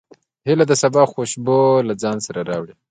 هیلۍ د سبا خوشبو له ځان سره راوړي